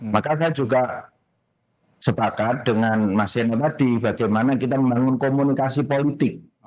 makanya juga sepakat dengan mas heno pdi bagaimana kita membangun komunikasi politik